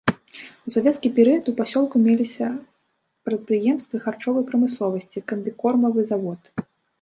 У савецкі перыяд у пасёлку меліся прадпрыемствы харчовай прамысловасці, камбікормавы завод.